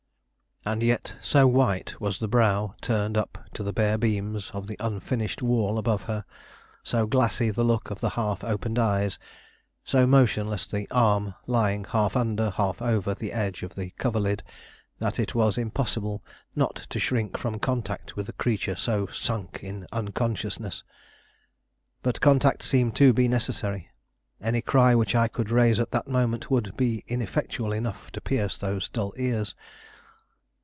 And yet so white was the brow turned up to the bare beams of the unfinished wall above her, so glassy the look of the half opened eyes, so motionless the arm lying half under, half over, the edge of the coverlid that it was impossible not to shrink from contact with a creature so sunk in unconsciousness. But contact seemed to be necessary; any cry which I could raise at that moment would be ineffectual enough to pierce those dull ears.